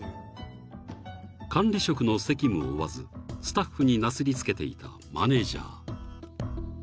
［管理職の責務を負わずスタッフになすり付けていたマネジャー］